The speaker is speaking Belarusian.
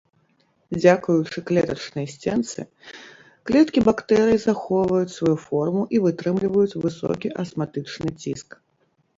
Дзякуючы клетачнай сценцы клеткі бактэрый захоўваюць сваю форму і вытрымліваюць высокі асматычны ціск.